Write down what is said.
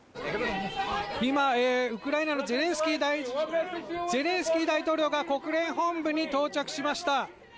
今、ウクライナのゼレンスキー大統領が国連本部に到着しました。